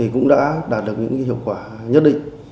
cũng đã đạt được những hiệu quả nhất định